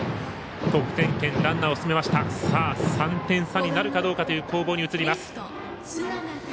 ３点差になるかどうかという攻防に移ります。